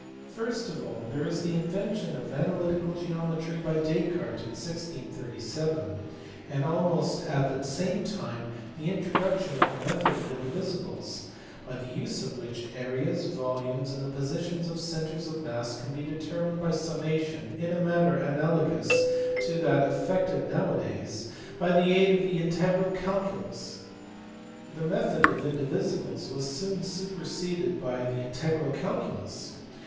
First of all there is the invention of analytical geometry by Descartes in 1637; and almost at the same time the intro duction of the method of indivisibles, by the use of which areas, volumes, and the positions of centres of mass can be determined by summation in a manner analogous to that effected now a days by the aid of the integral calculus. The method of indivisibles was soon superseded by the integral calculus.